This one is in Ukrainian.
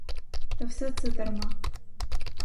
Та все це дарма.